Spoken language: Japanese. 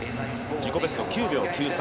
自己ベストを９秒９３。